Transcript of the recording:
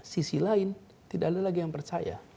sisi lain tidak ada lagi yang percaya